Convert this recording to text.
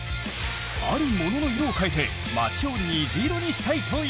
あるものの色を変えて町を虹色にしたいという。